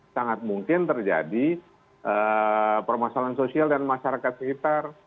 sangat mungkin terjadi permasalahan sosial dan masyarakat sekitar